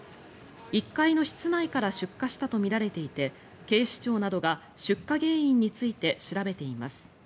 １階の室内から出火したとみられていて警視庁などが出火原因について調べています。